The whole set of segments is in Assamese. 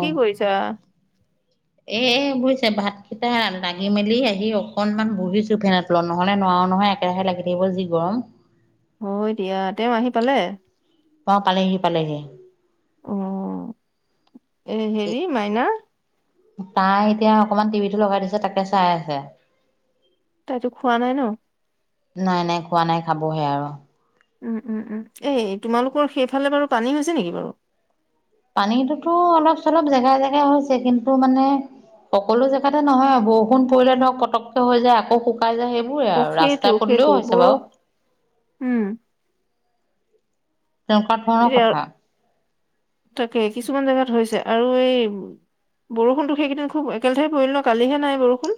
কি কৰিছা? এ বুজিছে ভাত কিটা দাগি মেলি আহি অকনমান বহিছো ফেনৰ তলত নহলে ন আও নহয় একেৰাহে লাগি থাকিব যি গৰম। হয় দিয়া তেওঁ আহি পালে? অ পালেহি পালেহি। অ, এ হেৰি মাইনা? তাই এতিয়া অকমান টিভিটো লগাই দিছে তাকে চাই আছে। তাইতো খোৱা নাই ন? নাই নাই খোৱা নাই খাবহে আৰু। উম উম উম, এই তোমালোকৰ সেইফালে বাৰু পানী হৈছে নেকি বাৰু? পানীটোতো অলপ চলপ জেগাই জেগাই হৈছে কিন্তু মানে সকলো জেগাতে নহয় বৰষুণ পৰিলে ধৰক পটককে হৈ যায় আকৌ সু কত যায় সেইবোৰে অ আৰু সেইটো ৰাস্তাই পদলিও সেইটো হৈছে বাৰু। বৰষ উম তেনেকুৱা ধৰণৰ এতিয়া কথা। তাকে কিছুমান জেগাত হৈছে আৰু এই বৰষুণতো সেইকেইদিন খুব একেলহে পৰিল ন কালিহে নাই বৰষুণ।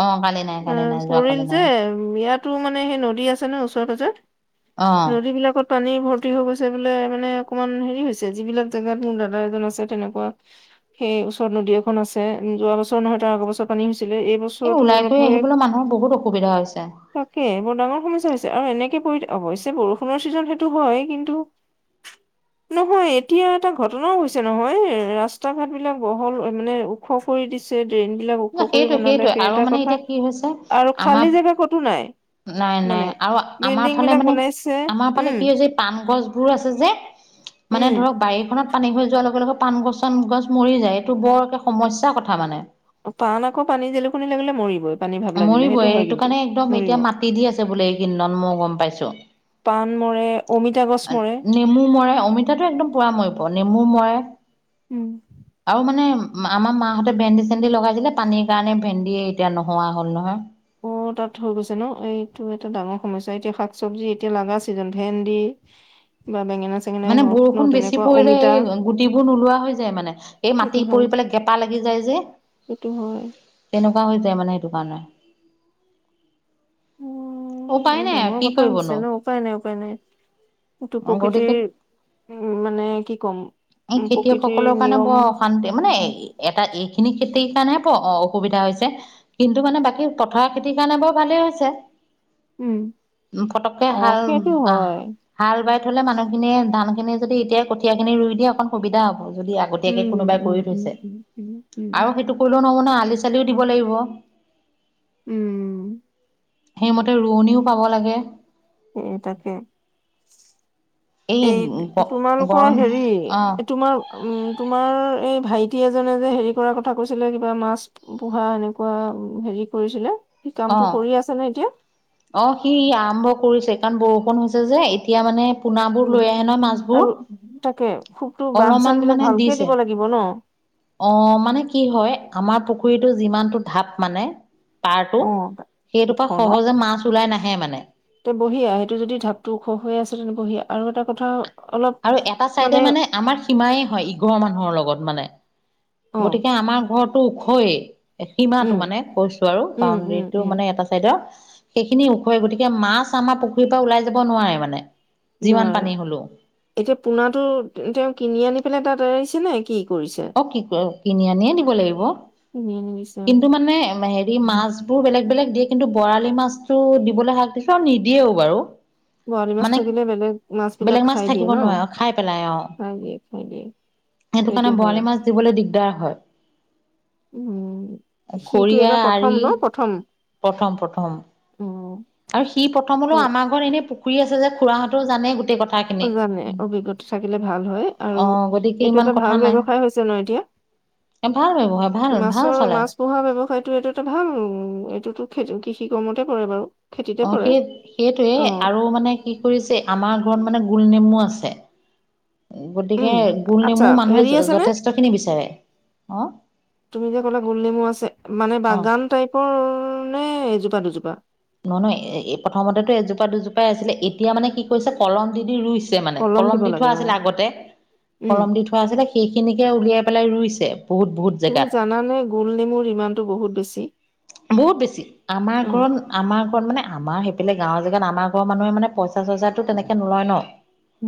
অ কালি নাই অ কালি নাই যোৱা পৰিল কালি যে নাই ইয়াতো মানে সেই নদী আছে ন ওচৰে পাজৰে। অ নদীবিলাকত পানী ভৰ্তি হৈ গৈছে বোলে মানে অকমান হেৰি হৈছে। যিবিলাক জেগাত মোৰ দাদা এজন আছে তেনেকুৱা সেই ওচৰত নদি এখন আছে যোৱা বছৰ নহয় তাৰ আগৰ বছৰ পানী হৈ লে এই বছৰো ওলাই অলপ কৰি হৈ, আহিবলৈ মানুহৰ বহুত অসুবিধা হৈছে তাকে বৰ ডাঙৰ সমস্যা হৈছে আৰু এনে পৰি অৱশ্যে বৰষুণৰ ছিজন সেইটো হয় কিন্তু ন হয় এতিয়া এটা ঘটনাও হৈছে নহয় ৰাস্তা ঘাট বিলাক বহল মানে ওখ কৰি দিছে ট্ৰেইন বিলাক ওখ ন কৰি সেইটোৱে বনালে সেইটোৱে সেই আৰু এটা মানে কথা এতিয়া কি হৈছে আৰু আমাৰ খালী জেগা কতো নাই। নাই মানে নাই আৰু আমাৰ বিল্ডিং ফালে বিলাক মানে বনাইছে আমাৰ ফালে উম কি হৈছে পান গছ বোৰ আছে যে উম মানে ধৰক বাৰীখনত পানী হৈ যোৱাৰ লগে লগে পান গছন গছ মৰি যায় এইটো বৰকে সমস্যাৰ কথা মানে। পান আকৌ পানী জেলুকনি লাগিলে মৰিবই। পানী ভাৱ লাগিলে সেইটো মৰিবই হয় এইটো কিন্তু কাৰণে একদম মৰিব এতিয়া মাটি দি আছে বোলে এইকেইদিনত মই গম পাইছো। পান মৰ আ নেমু মৰাই, অমিতাটো একদম পুৰা ময় পোৱা নেমু মৰে উম আৰু মানে আমাৰ মানহঁতে ভেন্দি চেন্দি লগাইছিলে পানীৰ কাৰণে ভেন্দিয় এতিয়া নোহোৱা হ'ল নহয় বতৰ থৈ গৈছে ন এইটো এটা ডাঙৰ সমস্যা এতিয়া শাক চব্জি এতিয়া লগা ছিজন ভেন্দি বা বেঙেনা চেঙেনাই মানে হওক ন বৰষুণ বেছি তেনেকুৱা পৰিলে অমিতা এই গুটিবোৰ নোলোৱা হৈ যায় মানে এই সেইটো মাটি হয় পৰি পেলাই গেপা লাগি যাই যে সেইটো হয় তেনেকুৱা হৈ যায় মানে সেইটো কাৰণে উম উপায় বৰ নাই আৰু ডাঙৰ কি কথা হৈছে কৰিবনো ন উপায় নাই উপায় নাই এইটো গতিকে প্ৰকৃতিৰ উম মানে কি ক'ম এই উম প্ৰকৃতিৰ খেতিয়কসকলৰ কাৰণে নিয়ম বৰ অশান্তি মানে এটা এইখিনি সেই কাৰণে ক অ অসুবিধা হৈছে কিন্তু মানে বাকী পথাৰ খেতিৰ কাৰণে বৰ ভালেই হৈছে উম উম পটককে অ হাল সেইটো আহ হয় হাল বাই থ'লে মানুখিনিয়ে ধানখিনি যদি এতিয়া কঠীয়াখিনি ৰুই দি অকণ সুবিধা হ'ব যদি আগতীয়াকে উম কোনোবাই উম কৰি উম থৈছে উম উম উম আৰু উম সেইটো কৰিলেও নহব ন আলি চালিও দিব লাগিব উম সেইমতে ৰোৱনীও পাব লাগে এ তাকে এই তোমালোকৰ গৰম হেৰি অ তোমাৰ উম তোমাৰ এই ভাইটি এজনে যে হেৰি কৰাৰ কথা কৈছিলে কিবা মাছ পোহা এনেকুৱা হেৰি কৰিছিলে সি কামটো অহ কৰি আছে নে এতিয়া? অ সি আৰম্ভ কৰিছে কাৰণ বৰষুণ হৈছে যে এতিয়া মানে পোনাবোৰ লৈ আহে নহয় উম মাছবোৰ আৰু তাকে খুবটো বান্ধ চান্ধ বিলাক ভালকে দিব লাগিব ন অহ মানে কি হয় আমাৰ পুখুৰীটোত যিমানটো ধাপ মানে পাৰটো অ সেইটোৰ পৰা সহজে মাছ ওলাই নাহে মানে তো বহিয়া সেইটো যদি ঢাপটো ওখ হৈ আছে তেন্তে বহিয়া আৰু এটা কথা অলপ আৰু এটা চাইডে মানে আমাৰ সীমাই হয় ইঘৰৰ মানুহৰ লগত মানে অ গতিকে আমাৰ ঘৰটো ওখয়ে উম সীমাটো মানে কৈছো আৰু উম উম বাউণ্ডেৰীটো উম মানে এটা চাইডৰ সেইখিনি ওখৰে গতিকে মাছ আমাৰ পুখুৰীৰ পৰা ওলাই যাব নোৱাৰে মানে যিমান নোৱাৰে পানী হলো এতিয়া পোনাটো তেওঁ কিনি আনি পেলাই তাত এৰিছে নে কি কৰিছে? অ কি কিনি আনিয়ে দিব লাগিব কিনি আনি দিছে কিন্তু মানে হেৰি অ মাছবোৰ বেলেগ বেলেগ দিয়ে কিন্তু বৰালি মাছটো দিবলৈ হাত দিছে আৰু নিদিয়েও বাৰু বৰালি মাছ মানে থাকিলে বেলেগ বিলাক বেলেগ মাছ খাই দিয়ে থাকিব ন নোৱাৰে খাই পেলাই অহ খাই দিয়ে খাই দিয়ে সেইটো কাৰণে বৰালি মাছ দিবলৈ দিগদাৰ হয় উম সিটো খৰিয়া এইবাৰ প্ৰথম আৰি ন প্ৰথম প্ৰথম প্ৰথম উম আৰু সি অ প্ৰথমলৈও আমাৰ ঘৰত এনেই পুখুৰী আছে যে খুৰাহঁতৰও জানে গোটেই কথা জানে অভিজ্ঞতা থাকিলে ভাল হয় অ আৰু এইটো এটা ভাল ব্যৱসায় হৈছে ন এতিয়া অ [unintelligible] মাছৰ মাছ পোহাৰ ব্যৱসায়টোএইতো ভাল এইতো কৃষি কৰ্মতে পৰে বাৰু খেতিতে অ পৰে সেই অ সেইটোৱে আৰু মানে কি কৰিছে আমাৰ এইবোৰ মানে গোল নেমু আছে গতিকে উম গোল আচ্ছা নেমু মানুহে হেৰি আছে নে যথেষ্ট খিনি বিচাৰে অহ তুমি যে ক'লা গোল নেমু আছে মানে অ বাগান টাইপৰ নে এজোপা দুজোপা নহয় নহয় এ প্ৰথমতো এজোপা দুজোপাই আছিলে এতিয়া মানে কি কৰিছে কলম দি দি ৰুইছে চে মানে কলম দিব দি থোৱা লাগে অ আছিলে আগতে উম কলম দি থোৱা আছিলে সেইখিনিকে উলিয়াই পেলাই ৰুইছে বহুত বহুত তুমি জেগাত জানানে গোল নেমুৰ ইমানটো বহুত বেছি। বহুত বেছি আমাৰ উম, ঘৰত আমাৰ। ঘৰত মানে আমাৰ সেইফালে গাঁৱৰ জেগাত আমাৰ ঘৰ মানুহে মানে পইচা চইচাটো তেনেকে নলয় ন।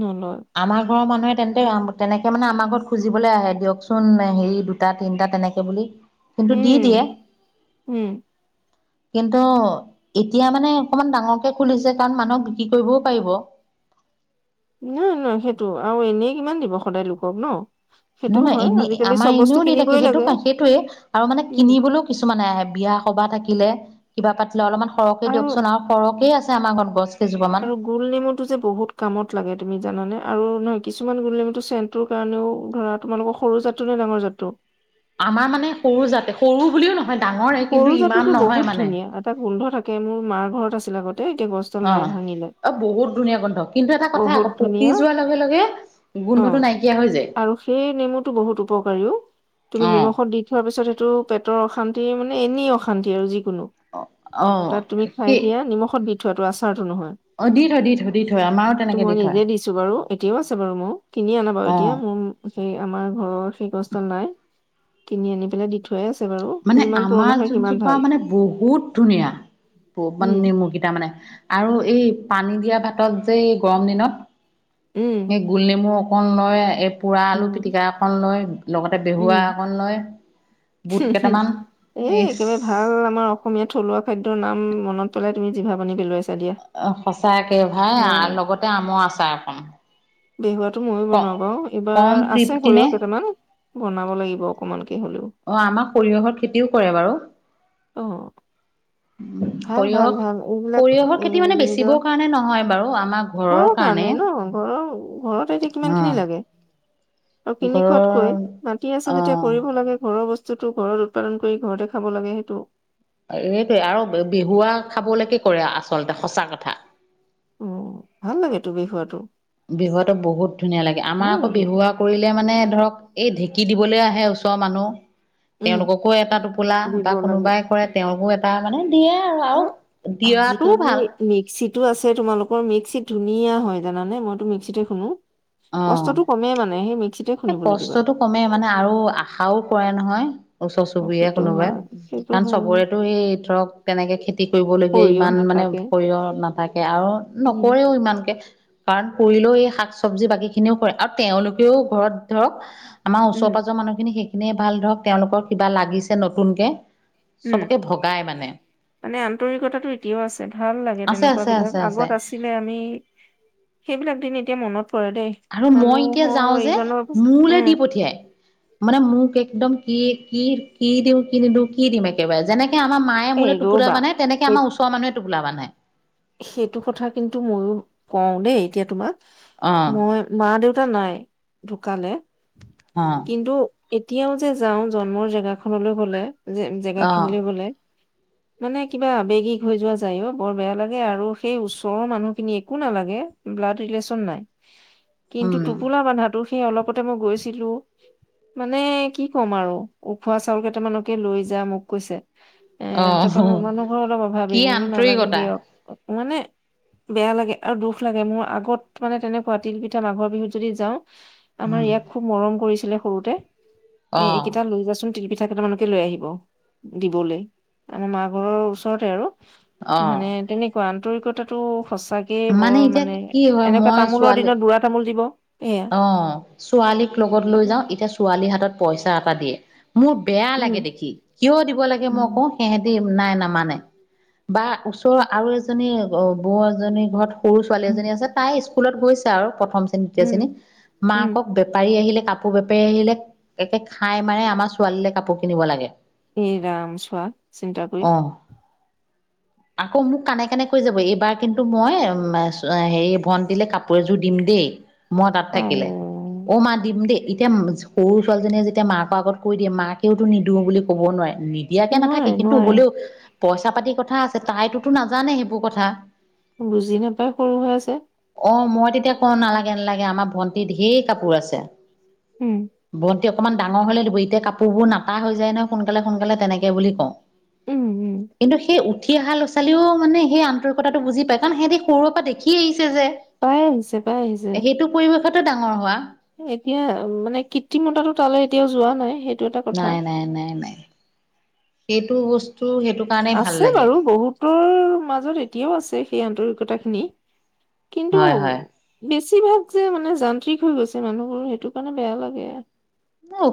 নলয়। আমাৰ ঘৰৰ মানুহে তেন্তে। তেনেকে মানে আমাৰ ঘৰত খুজিবলৈ আহে দিয়কচোন হেৰি দুটা তিনটা তেনেকে বুলি। কিন্তু দি দিয়ে। উম, উম, কিন্তু এতিয়া মানে অকমান ডাঙৰকে খুলিছে কাৰণ মানুহক বিক্ৰী কৰিবও পাৰিব। [unintelligible] নহয় নহয় সেইটো আৰু এনেই কিমান দিব সদায় লোকক ন। সেইটো নহয় নহয় হয় এনে আজিকালি আমাৰ চব বস্তু এনেও দি থাকে কিনিবই সেইটো লাগে। কাৰণ সেইটয়ে আৰু মানে উম। কিনিবলৈও কিছুমানে আহে বিয়া। সবা থাকিলে কিবা পাতিলে অ, অলপমান সৰহকে দিয়কচোন আৰু সৰহকে আছে আমাৰ ঘৰত গছ। কেইজোপামান আৰু গোল নেমুটো যে বহুত কামত লাগে তুমি জানানে আৰু নহ। কিছুমান গুলনেমু চেনটোৰ কাৰণেও ধৰা তোমালোকৰ সৰু জাতটো নে ডাঙৰ জাতটো। আমাৰ মানে সৰু যাতে সৰু বুলিও নহয়। ডাঙৰে কিন্তু ইমান সুৰুজহঁতটো নহয় বহুত মানে ধুনীয়া। এটা গোন্ধ থাকে মোৰ মাৰ ঘৰত আছিল আগত। অঁহ্‌, অ বহুত ধুনীয়া গোন্ধ কিন্তু এটা কথা আক' পকি যোৱাৰ লগে লগে। গোন্ধটো অঁ নাইকিয়া হৈ যায় আৰু সেই নেমুটো বহুত উপকাৰি ও। তুমি অ নিমখত দি থোৱাৰ পিছত সেইটো পেটৰ অশান্তি মানে, এনেই অশান্তি আৰু যি। কোনো অ তাক তুমি খোৱাই দিয়া। নিমখত দি থোৱাটো আচাৰ অঁ, দি থয়, দি থয়, দি থয় আমাৰ। এইটো মই নিজে দিছো বাৰু। এতিয়াও আছে বাৰু মোৰ। কিনি অনা বাৰু। অ এতিয়া মোৰ, সেই আমাৰ ঘৰৰ কষ্ট নাই। কিনি আনি পেলাই দি থোৱাই আছে বাৰু। মানে যিমান পুৰণা আমাৰ হয় সিমান যোন্‌জোপা ভাল। মানে বহুত ধুনীয়া। বহু মানে উম, নিমুকেইটা মানে আৰু এই পানী দিয়া ভাতত যে এই গৰম দিনত, উম, সেই গোল নেমু। অকণ লৈ, এই পোৰা আলু উম, পিতিকা অকন লৈ, লগতে বেহুৱা অকণ লৈ। হোঁহ্‌-হোঁহ্‌, এ একেবাৰে ভাল আমাৰ অসমীয়া থলুৱা খাদ্যৰ নাম মনত পৰে। পেলাই তুমি জিনী পেলোৱাইছা। অঁ, সঁচাকে ভাত আৰু লগতে আমৰ আচাৰ একণ। বেহুৱাটো ময়ো বনাওঁ বাৰু। এইবাৰ আছে তৃপ্তি নে সৰিয়হ কেইটামান। বনাব লাগিব অকমানকে হলেও। অঁ, আমাৰ সৰিয়হৰ খেতিও কৰে বাৰু। অঁহ- ভাল, সৰিয়হ ভাল, ভাল এইবিলাক সৰিয়হৰ খেতি উম, মানে নিজৰ, বেচিবৰ কাৰণে নহয় বাৰু আমাৰ ঘৰৰ বহুত ভাল। কাৰণে মানে ন'। ঘৰৰ, ঘৰত এতিয়া কিমান অ খিনি লাগে? আৰু কিনি খোৱাতকৈ ঘৰৰ মাটি আছে অ যেতিয়া কৰিব লাগে। ঘৰৰ বস্ বস্তুটো ঘৰত উৎপাদন কৰি, ঘৰতে খাব লাগে সেইটো। এইটোৱে আৰু বিহুৱা খাবলেকে কৰে আচলতে সঁচা কথা। ওঁ, ভাল লাগে তুমি খোৱাটো। বিহুৱাটো বহুত ধুনীয়া লাগে। আমাৰ আক' লাগে বিহুৱা কৰিলেমানে ধৰক এই ঢেঁকী দিবলে আহে ওচৰৰ মানুহ। উম তেওঁলোককো এটা টোপোলা দিব বা কোনোবাই কৰে তেওঁকো এটা মানে। দিয়ে আৰু আৰু অ, দিয়াটোও আজি-কালি ভাল মিক্সিটো আছে তোমালোকৰ মিক্সিত। ধুনীয়া হ'য় জানানে মইটো মিক্সিতে খোন্দো। অঁ, এই খুন্দিবলৈ দিবা। কষ্টটো কমে মানে আৰু আশাওঁ। কৰে নহয়, ওচৰ অ -চুবুৰীয়া সেইটো কোনোবাই। হয় সেইটো কাৰণ হয় চবৰেটো এই ধৰক, তেনেকে খেতি কৰিবলগীয়া সৰিয়হ ইমান মানে নাথাকে সৰিয়হ নাথাকে আৰু। উম নকৰেও ইমানকে। কাৰণ কৰিলেও এই শাক চবজি বাকি খিনিও কৰে আৰু তেওঁলোকেও ঘৰত ধৰক। আমাৰ উম ওচৰ- পাজৰ মানুহখিনি সেইখিনিয়ে ভাল, ধৰক তেওঁলোকৰ কিবা লাগিছে নতুনকে। উম চবকে ভগাই মানে। মানে আন্তৰিকটাটো এতিয়াও আছে। ভাল লাগে আছে তেনেকুৱা আছে আছে বিলাক আছে আগত আছিলে আমি সেইবিলাক দিন এতিয়া মনত পৰে দেই আৰু মই এতিয়া মানুহৰ যাওঁ যে ইজনৰ মোলে উম দি পঠিয়াই। মানে মোক একদম কি-কি কি দিওঁ, কি নিদিওঁ, কি দিম একেবাৰে যেনেক হে আমা মায়ে এই মোলে টোপোলা ৰবা বান্ধে। তেনেকে এই আমাৰ ওচৰ মানুহে টোপোলা বান্ধে। সেইটো কথা কিন্তু ময়ো কওঁ দেই এতিয়া তোমাক। অ', মই মা- দেউত তা নাই ঢুকালে অ', কিন্তু এতিয়াও যে যাওঁ জন্মৰ জেগাখনলৈ গ'লে। জে-জেগা অ', খিনিলে গ'লে মানে, কিবা আবেগিক হৈ যোৱা যায় অহ, বৰ বেয়া লাগ গে আৰু সেই ওচৰৰ মানুহখিনি একো নালাগে, ব্লাড ৰিলেচন নাই কিন্তু, উম, টোপোলা বান্ধাটো সেই অলপতে মই গৈছিলো মানে কি ক'ম আৰু উখোৱা চাউল কেইটামানকে লৈ যা মোক কৈছে। এ' অ', তাৰপা মোৰ মানুহ ঘৰ অলপ অভাৱী, কি মই বোলো নালাগে আন্তৰিকতা দিয়ক। মানে বেয়া লাগে আৰু দুখ লাগে মোৰ। আগত মানে তেনেকুৱা, তিল পিঠা, মাঘৰ বিহুত যদি যাওঁ আমাৰ উম, ইয়াক খুব মৰম কৰিছিলে সৰুতে এ অ', এইকেইটা লৈ যাচোন তিল পিঠা কেইটামানকে লৈ আহিব দিবলৈ আমাৰ মা ঘৰৰ ওচৰতে আৰু। অ', মানে তেনেকুৱা আন্তৰিকতাটো সঁচাকে বৰ এতিয়া মানে কি এনেকুৱা তামোলৰ দিনত বুঢ়া তামোল দিব এয়া আহ ছোৱালীক লগত লৈ যাওঁ উম এতিয়া ছোৱালীৰ হাতত পইচা এটা দিয়ে। মোৰ বেয়া লাগে দেখি কিয় দিব লাগে উম মইকওঁ হেহেঁতি নাই নামানে। বা ওচৰৰ আৰু এজনী বৌ এজনী ঘৰত সৰু ছোৱালী এজনী আছে তাই স্কুলত গৈছে আৰু প্ৰথম শ্ৰেণী, দ্বিতীয় শ্ৰেণী, উম উম মাকক বেপাৰী আহিলে কাপোৰ বেপাৰী আহিলে একে খাই মাৰে আমাৰ ছোৱালীলে কাপোৰ কিনিব লাগে। হেৰাম চোৱা চিন্তা কৰি অ আকৌ মোক কানে- কানে কৈ যাব এইবাৰ কিন্তু মই হেৰি ভন্টিলে কাপোৰ এযোৰ দিম। দেই মই তাত আই থাকিলে অ অ', মা দিম দেই। এতিয়া সৰু ছোৱালজনীয়ে যেতিয়া মাকৰ আগত কৈ দিয়ে মাকেওতো নিদো বুলি ক'ব নোৱাৰে। নিদিয়াকে নাথাকে নোৱাৰে কিন্তু নোৱাৰে হলেও পইচা- পাতি কথা আছে তাইটোতো নাজানে সেইবোৰ কথা। বুজি নাপায় সৰু হৈ আছে। অহ, মই তেতিয়া কওঁ নালাগে- নালাগে আমাৰ ভন্টি ঢেৰ কাপোৰ আছে। উম! অকনমান ডাঙৰ হলে দিব এতিয়া কাপোৰ নাতা হৈ যায় নহয় সোনকালে -সোনকালে তেনেকে বুলি কওঁ। উম উম কিন্তু সেই উঠি অহা'লৰা -ছোৱালীও মানে সেই আন্তৰিকতাটো বুজি পায় কাৰণ সিহঁতি সৰুৰ পৰা দেখি আহ যে, পাই আহিছে পাই আহিছে সেইটো পৰিৱেশতে ডাঙৰ হোৱা। এতিয়া মানে কৃত্ৰিমতাটো তালৈ এতিয়াও যোৱা নাই সেই নাই -নাই -নাই -নাই, সেইটো বস্তু সেইটো কাৰণেই ভাল আছে লাগে বাৰু বহুতৰ মাজত এতিয়াও আছে সেই আন্তৰিকতাখিনি। কিন্তু হয় হয় বেছি বেছিভাগ যে মানে যান্ত্ৰিক হৈ গৈছে মানুহবোৰ সেইটো কাৰণে বেয়া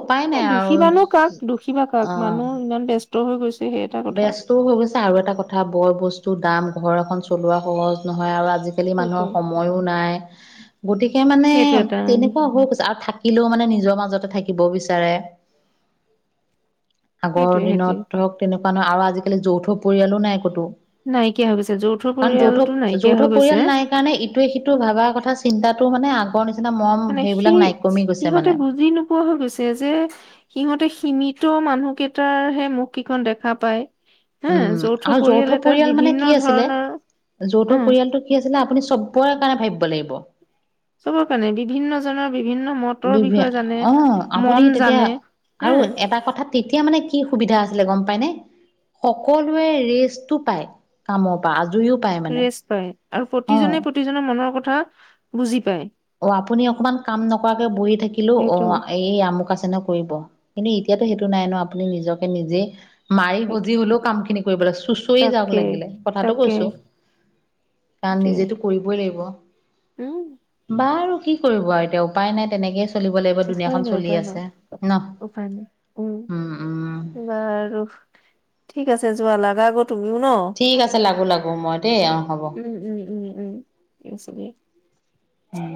উপায় নাই আৰু দুখীবা নো কাক দুখীবা অ কাক মানুহ ইমান ব্যস্ত হৈ গৈছে সেই এটা কথা। ব্যস্তও হৈ গৈছে আৰু এটা কথা বৰ বস্তু দাম ঘৰ এখন চলোৱা সহজ নহয় আৰু আজ আজিকালি সেইটো। মানুহৰ সময়ো নাই, গতিকে মানে সেইটো এটা তেনেকুৱা হৈ গৈছে আৰু থা থাকিলেও মানে নিজৰ মাজতে থাকিব বিচাৰে আগৰ সেইটোৱে সেইটোৱে দিনত ধৰক তেনেকুৱা ন' আৰু আজিকালি যৌথ পৰিয়ালো নাই কতো। নাইকিয়া হৈ গৈছে যৌথ কাৰণ পৰিয়ালটো যৌথ- নাইকিয়া যৌথ হৈ গৈছে। পৰিয়াল নাই কাৰণে ইটোৱে- সিটো ভাবা কথা চিন্তা তোৰ মানে আগৰ নিচ মানে সেই সিহঁতে বুজি নোপোৱা হৈ গৈছে যে সিহঁতে সীমিত মানুহ কেইটাৰ হে মুখ কেইখন দেখা পায় হা উম আৰু যৌথ এটাত পৰিয়াল মানে বিভিন্ন কি আছিলে ধৰণৰ যৌথ উম পৰিয়ালটো কি আছিলে আপুনি চবৰে কাৰণে ভাবিব লাগিব। চবৰ কাৰণে বিভিন্নজনৰ বিভি অ আপুনি মন তেতিয়া জানে হা আৰু এটা কথা তেতিয়া মানে কি সুবিধা আছিলে গম পাই নে সকলোৱে ৰেষ্টটো পায় কামৰ পৰা আজৰিও পায় মানে ৰেষ্ট পায় আৰু অ প্ৰতিজনে প্ৰতিজনৰ মনৰ কথা বুজি পায়। অ আপুনি অকমান কাম নকৰাকে বহি থাকিলো অ সেইটো এই আমু ক আছে নহয় কৰিব। কিন্তু এতিয়াতো সেইটো নাই ন আপুনি নিজকে নিজেই মাৰি সেইটো ভজি হলেও কাম খিনি কৰিব লাগে চুঁচৰি যাওক তাকে লাগিলে কথাটো তাকে কৈছোঁ। কাৰণ সেইটোৱে নিজেতো কৰিবই লাগিব। উম! বা আৰু কি কৰিব আৰু এতিয়া উপায় নাই তেনেকে চলিব লাগিব উপায় দোনীয়াখন নাই চলি উপায় নাই আছে ন। উপায় নাই উম বাৰু [unintelligible] ঠিক আছে যোৱা লাগা গত ঠিক আছে লাগো লাগো মই দেই অ হ'ব। উম উম উম উম ঠিক আছে দিয়া। উম।